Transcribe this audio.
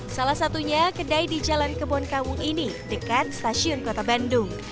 salah satunya kedai di jalan kebonkawung ini dekat stasiun kota bandung